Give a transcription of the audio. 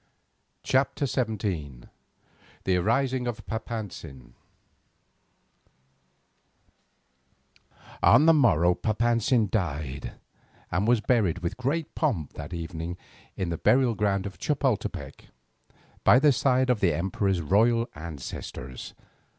CHAPTER XVII THE ARISING OF PAPANTZIN On the morrow Papantzin died, and was buried with great pomp that same evening in the burial ground at Chapoltepec, by the side of the emperor's royal ancestors.